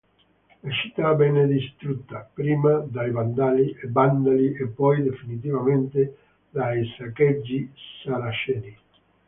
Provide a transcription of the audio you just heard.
La città venne distrutta prima dai Vandali e poi, definitivamente, dai saccheggi saraceni.